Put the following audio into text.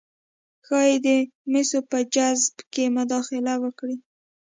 ښايي د مسو په جذب کې مداخله وکړي